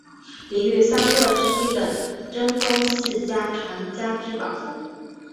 里御三家之一的真宫寺家传家之宝。